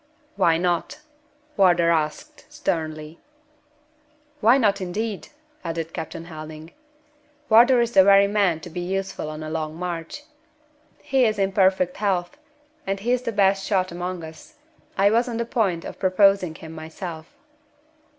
"Why not?" Wardour asked, sternly. "Why not, indeed?" added Captain Helding. "Wardour is the very man to be useful on a long march. He is in perfect health, and he is the best shot among us. I was on the point of proposing him myself."